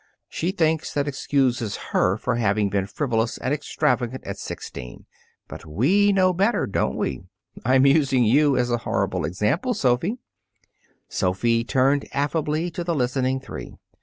She thinks that excuses her for having been frivolous and extravagant at sixteen. But we know better, don't we? I'm using you as a horrible example, Sophy." Sophy turned affably to the listening three.